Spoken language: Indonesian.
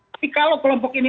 tapi kalau kelompok ini